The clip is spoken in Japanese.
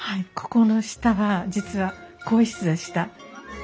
ここの下は実は更衣室でした。